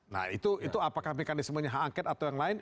nah itu apakah mekanismenya hak angket atau yang lain